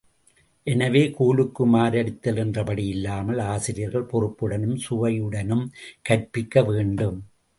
எனவே, கூலிக்கு மாரடித்தல் என்றபடியில்லாமல், ஆசிரியர்கள் பொறுப்புடனும் சுவையுடனும் கற்பிக்க வேண்டும்.